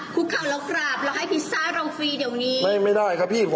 คุกเข่าแล้วกราบแล้วให้พิซซ่าลองฟรีเดี๋ยวนี้ไม่ไม่ได้ครับพี่